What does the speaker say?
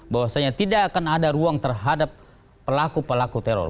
bahwasanya tidak akan ada ruang terhadap pelaku pelaku teror